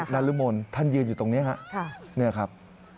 นั้นละหมดท่านยืนอยู่ตรงนี้ครับนี่ครับ